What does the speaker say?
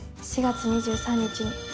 「４月２３日に。